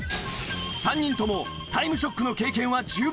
３人とも『タイムショック』の経験は十分。